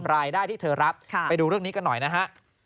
รายได้ที่เธอรับไปดูเรื่องนี้กันหน่อยนะฮะ